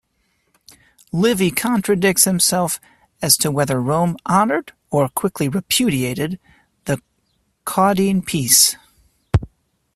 Livy contradicts himself as to whether Rome honored or quickly repudiated the Caudine Peace.